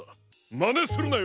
まねするなよ！